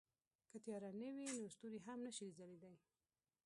که تیاره نه وي نو ستوري هم نه شي ځلېدلی.